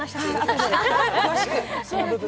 詳しく！